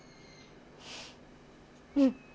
うん。